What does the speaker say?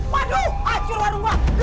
waduh acur warung gue